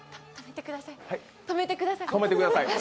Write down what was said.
止めてください